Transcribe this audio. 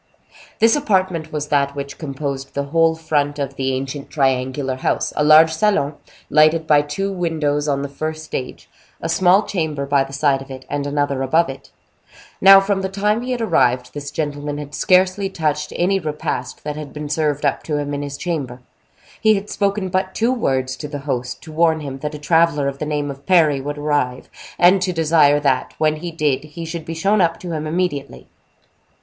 This apartment was that which composed the whole front of the ancient triangular house; a large salon, lighted by two windows on the first stage, a small chamber by the side of it, and another above it. Now, from the time he had arrived, this gentleman had scarcely touched any repast that had been served up to him in his chamber. He had spoken but two words to the host, to warn him that a traveler of the name of Parry would arrive, and to desire that, when he did, he should be shown up to him immediately.